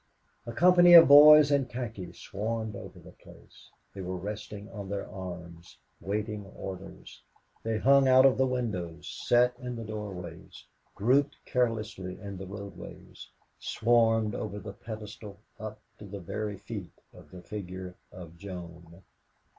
A company of boys in khaki swarmed over the place. They were resting on their arms, waiting orders. They hung out of the windows, sat in the doorways, grouped carelessly in the roadway, swarmed over the pedestal up to the very feet of the figure of Joan.